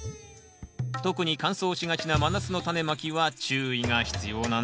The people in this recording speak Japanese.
特に乾燥しがちな真夏のタネまきは注意が必要なんです